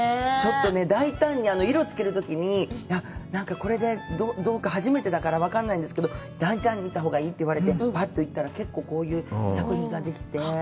ちょっとね、大胆に色をつけるときに、これでどうか、初めてだから分からないんですけど、大胆に行ったほうがいいって言われて、パッと行ったら、結構、こういう作品ができて。